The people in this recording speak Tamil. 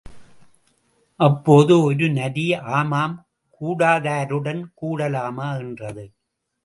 அப்போது ஒரு நரி ஆமாம், கூடாதாருடன் கூடலாமா? என்றது.